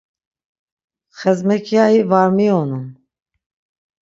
Xezmekyayi var miyonun!